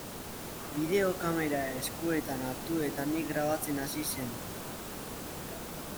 Bideokamera eskuetan hartu eta ni grabatzen hasi zen.